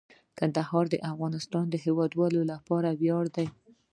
کندهار د افغانستان د هیوادوالو لپاره ویاړ دی.